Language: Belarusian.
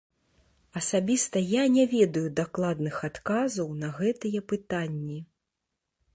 Асабіста я не ведаю дакладных адказаў на гэтыя пытанні.